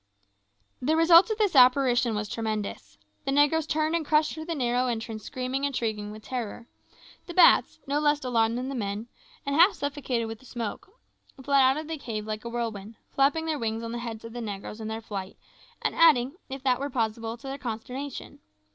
The effect of this apparition was tremendous. The negroes turned and crushed through the narrow entrance screaming and shrieking with terror. The bats, no less alarmed than the men, and half suffocated with smoke, fled out of the cave like a whirlwind, flapping their wings on the heads of the negroes in their flight, and adding, if that were possible, to their consternation.